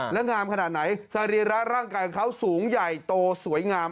และงามขนาดไหนสรีระร่างกายของเขาสูงใหญ่โตสวยงาม